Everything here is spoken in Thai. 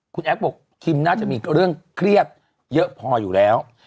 คุณแอฟบอกคิมน่าจะมีเรื่องเครียดเยอะพออยู่แล้ว